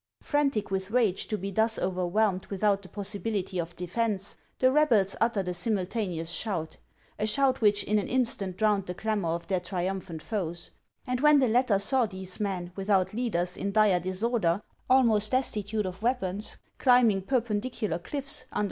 Frantic with rage to be thus overwhelmed without the possibility of defence, the rebels uttered a simultaneous shout, — a shout which in an instant drowned the clamor of their triumphant foes ; and when the latter saw these men, without leaders, in dire disorder, almost destitute of weapons, climbing perpendicular cliffs, under HANS OF ICELAND.